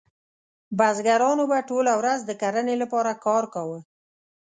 بزګرانو به ټوله ورځ د کرنې لپاره کار کاوه.